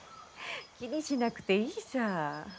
気にしなくていいさ。